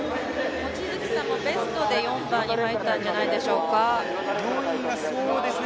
望月さんもベストで４番に入ったんじゃないでしょうか。